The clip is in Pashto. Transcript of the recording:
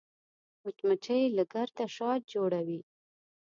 مچمچۍ له ګرده شات جوړوي